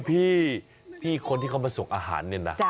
พี่คนที่เขามาส่งอาหารเนี่ยนะ